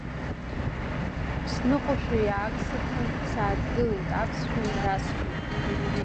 Сныҟәашәа иаагсырхан сааҭгылеит, аԥсшәа нарасҳәеит.